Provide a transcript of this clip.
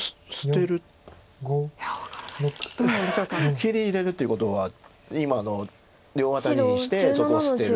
切り入れるっていうことは今の両アタリしてそこを捨てる。